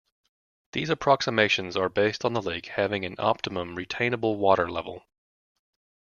These approximations are based on the lake having an optimum retainable water level.